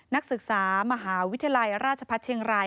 นักศึกษามหาวิทยาลัยราชพัฒน์เชียงราย